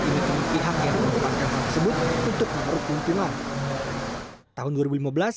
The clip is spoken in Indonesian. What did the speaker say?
ingin memiliki hak yang memperkenalkan tersebut untuk mengeruk kumpulan